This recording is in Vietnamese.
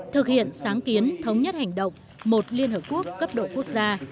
thực hiện sáng kiến thống nhất hành động một liên hợp quốc cấp độ quốc gia